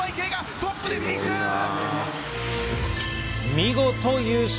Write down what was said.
見事優勝。